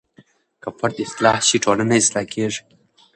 که فرد اصلاح شي ټولنه اصلاح کیږي.